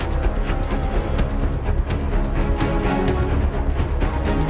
jangan gunakan untuk berkuasa